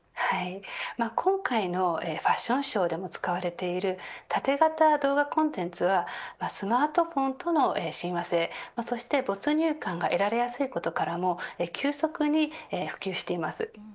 今回のファッションショーでも使われている縦型動画コンテンツはスマートフォンとの親和性、そして没入感が得られやすいことから急速に普及しています。